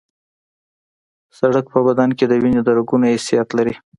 سړک په بدن کې د وینې د رګونو حیثیت لري